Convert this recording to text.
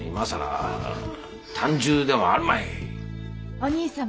お兄様